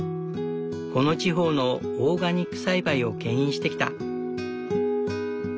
この地方のオーガニック栽培をけん引してきた。